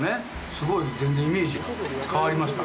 すごい、全然イメージが変わりました。